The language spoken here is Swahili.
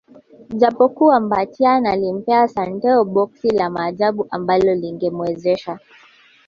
Japokuwa Mbatiany alimpa Santeu boksi la Maajabu ambalo lingemwezesha